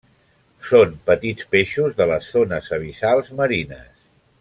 Són petits peixos de les zones abissals marines.